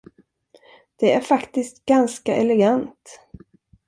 Det är faktiskt ganska elegant.